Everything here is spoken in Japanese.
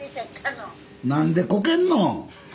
何でこけんの？